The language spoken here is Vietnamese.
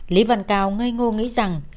lý văn cao ngây ngô nghĩ rằng